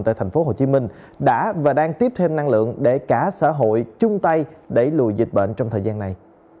tại thành phố hồ chí minh đã và đang tiếp thêm năng lượng để cả xã hội chung tay đẩy lùi dịch bệnh trong thời gian này